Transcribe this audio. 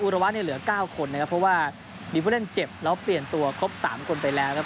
อุรวัฒน์เนี่ยเหลือเก้าคนนะครับเพราะว่ามีเพื่อนเล่นเจ็บแล้วเปลี่ยนตัวครบสามคนไปแล้วครับ